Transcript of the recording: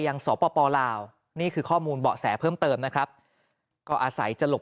สปลาวนี่คือข้อมูลเบาะแสเพิ่มเติมนะครับก็อาศัยจะหลบ